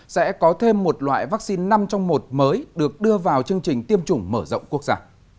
sẽ có thêm một loại vaccine năm trong một mới được đưa vào chương trình tiêm chủng mở rộng quốc gia